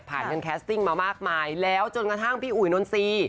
พี่แม่งเนี่ยผ่านการแคสติ้งมามากมายแล้วจนกระทั่งพี่อุ๋ยนนทรีย์